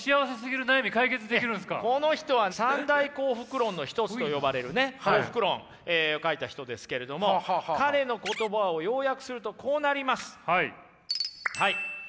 この人は三大幸福論の一つと呼ばれるね「幸福論」書いた人ですけれども彼の言葉を要約するとこうなります。